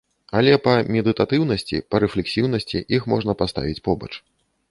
Але па медытатыўнасці, па рэфлексіўнасці іх можна паставіць побач.